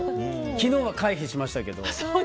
昨日は回避しましたけど。